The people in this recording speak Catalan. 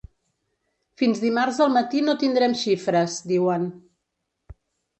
Fins dimarts al matí no tindrem xifres, diuen.